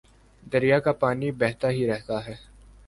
دریا کا پانی بہتا ہی رہتا ہے